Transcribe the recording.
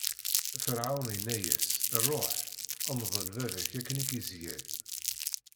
Ferɛun inna-as: Ṛuḥ, mḍel baba-k akken i k-isgall.